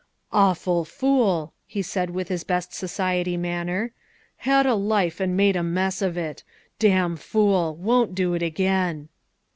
"Awful fool," he said with his best society manner; " had a life and made a mess of it. Damn fool won't do it again."